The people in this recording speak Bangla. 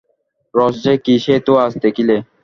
রস যে কী সে তো আজ দেখিলে?